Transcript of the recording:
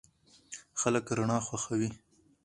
خلک رڼا خوښوي.